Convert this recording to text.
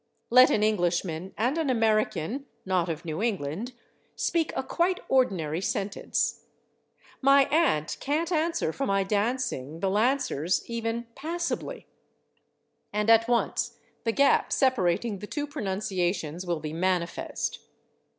Let an Englishman and an American (not of New England) speak a quite ordinary sentence, "My aunt can't answer for my dancing the lancers even passably," and at once the gap separating the two pronunciations will be manifest.